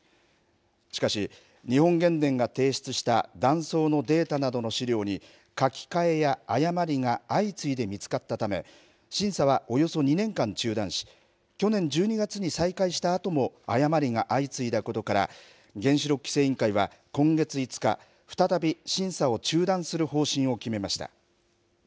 しかし、日本原電が提出した断層のデータなどの資料に、書き換えや誤りが相次いで見つかったため、審査はおよそ２年間中断し、去年１２月に再開したあとも誤りが相次いだことから、原子力規制委員会は今月５日、再び審査を中断する方針を決めました。